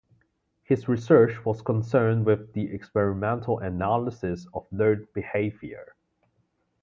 His research was concerned with the experimental analysis of learned behaviour.